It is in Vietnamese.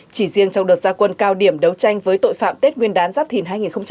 chỉ riêng trong đợt gia quân cao điểm đấu tranh với tội phạm tết nguyên đán giáp thìn hai nghìn hai mươi bốn